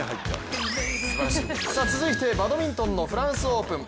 続いてバドミントンのフランスオープン。